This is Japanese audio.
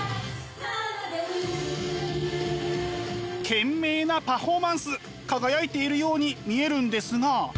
懸命なパフォーマンス輝いているように見えるんですが。